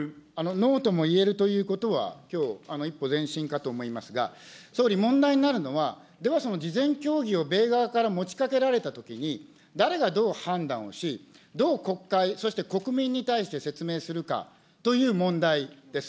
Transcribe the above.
ノーとも言えるということは、きょう、一歩前進かと思いますが、総理、問題になるのは、ではその事前協議を米側から持ちかけられたときに、誰がどう判断をし、どう国会、そして国民に対して説明するかという問題です。